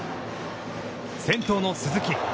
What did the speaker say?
先頭の鈴木。